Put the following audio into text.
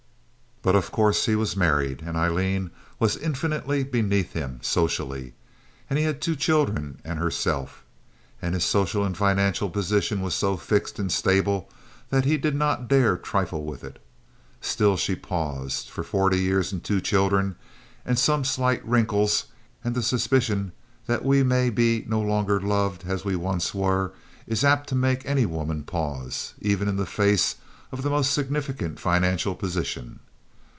But, of course, he was married, and Aileen was infinitely beneath him socially, and he had two children and herself. And his social and financial position was so fixed and stable that he did not dare trifle with it. Still she paused; for forty years and two children, and some slight wrinkles, and the suspicion that we may be no longer loved as we once were, is apt to make any woman pause, even in the face of the most significant financial position.